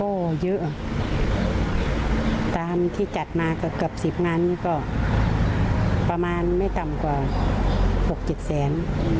ก็เยอะตามที่จัดมาเกือบ๑๐งานนี้ก็ประมาณไม่ต่ำกว่า๖๗แสน